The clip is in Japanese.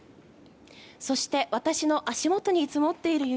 そして私の足元に積もっている雪